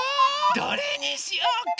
どれにしようか？